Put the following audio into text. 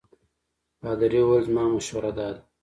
پادري وویل زما مشوره دا ده.